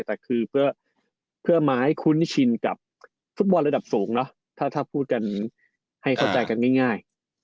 แต่คือเพื่อมาให้คุ้นชินกับฟุตบอลระดับสูงเนอะถ้าพูดกันให้เข้าใจกันง่าย